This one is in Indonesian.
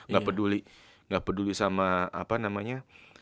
nggak peduli nggak peduli sama apa namanya